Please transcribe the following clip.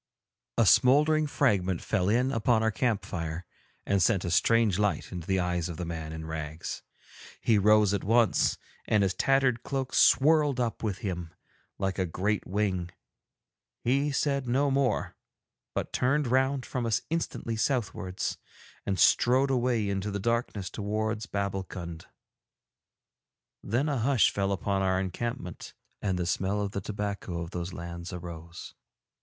A smouldering fragment fell in upon our camp fire and sent a strange light into the eyes of the man in rags. He rose at once, and his tattered cloak swirled up with him like a great wing; he said no more, but turned round from us instantly southwards, and strode away into the darkness towards Babbulkund. Then a hush fell upon our encampment, and the smell of the tobacco of those lands arose.